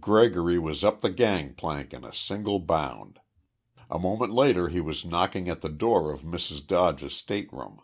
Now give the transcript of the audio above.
Gregory was up the gangplank in a single bound. A moment later he was knocking at the door of Mrs. Dodge's stateroom.